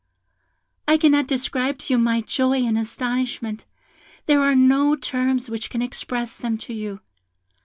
I cannot describe to you my joy and astonishment; there are no terms which can express them to you.